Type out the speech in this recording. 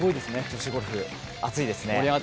女子ゴルフ、熱いですね。